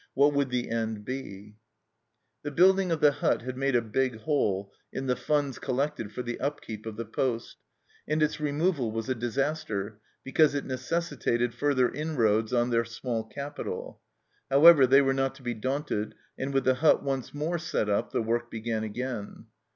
What would the end be ? The building of the hut had made a big hole in the funds collected for the upkeep of the poste, and its removal was a disaster, because it necessitated further inroads on their small capital. However, they were not to be daunted, and with the hut once more set up the work began again.